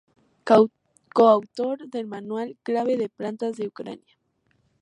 Coautor del manual "Clave de Plantas de Ucrania.